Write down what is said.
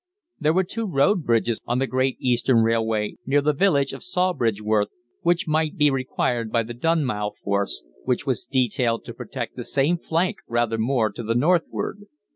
There were two road bridges on the Great Eastern Railway near the village of Sawbridgeworth, which might be required by the Dunmow force, which was detailed to protect the same flank rather more to the northward.